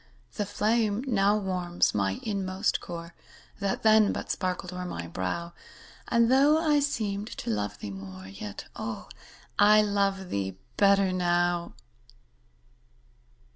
The flame now warms my inmost core, That then but sparkled o'er my brow, And, though I seemed to love thee more, Yet, oh, I love thee better now.